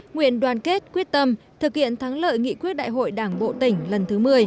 nguyện đoàn kết quyết tâm thực hiện thắng lợi nghị quyết đại hội đảng bộ tỉnh lần thứ một mươi